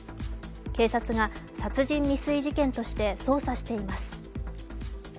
警察が殺人未遂事件として捜査しています。